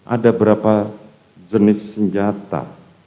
ada berapa jenis senjata